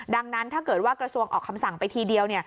ดังนั้นถ้าเกิดว่ากระทรวงออกคำสั่งไปทีเดียว